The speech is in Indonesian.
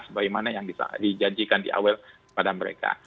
apakah sebagaimana yang dijadikan di awal kepada mereka